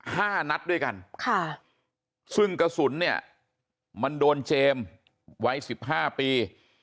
ห้านัดด้วยกันซึ่งกระสุนเนี่ยมันโดนเจมส์ไว้๑๕ปี